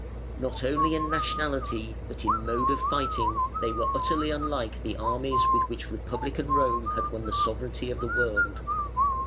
Not only in nationality but in mode of fighting they were utterly unlike the armies with which republican Rome had won the sovereignty of the world.